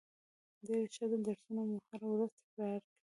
ډیره ښه ده درسونه مو هره ورځ تکرار کړئ